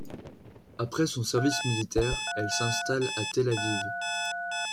Après son service militaire, elle s'installe à Tel-Aviv.